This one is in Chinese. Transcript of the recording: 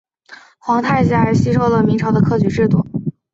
皇太极还吸收了明朝的科举制度。